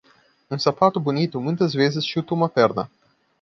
Um sapato bonito muitas vezes chuta uma perna.